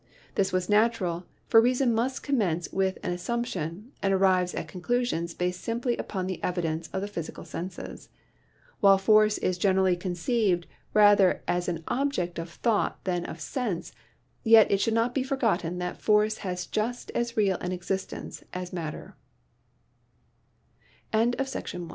This was natural, for reason must commence with an assump tion and arrives at conclusions based simply upon the evidence of the physical senses. While force is generally conceived rather as an object of thought than of sense, AN ANALYSIS OF MATTER 13 yet it should not be forgotten that force has just as real an existence as